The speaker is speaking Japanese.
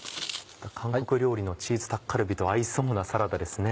韓国料理のチーズタッカルビと合いそうなサラダですね。